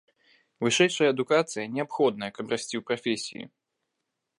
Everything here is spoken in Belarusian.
Вышэйшая адукацыя неабходная, каб расці ў прафесіі.